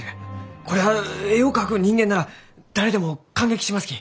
これは絵を描く人間なら誰でも感激しますき！